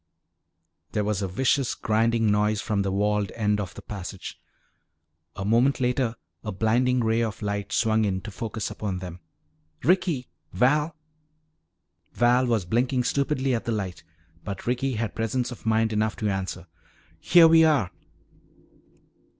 There was a vicious grinding noise from the walled end of the passage. A moment later a blinding ray of light swung in, to focus upon them. "Ricky! Val!" Val was blinking stupidly at the light, but Ricky had presence of mind enough to answer. "Here we are!"